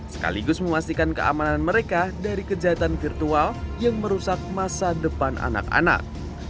sekaligus memastikan keamanan mereka dari kejahatan virtual yang merusak masa depan anak anak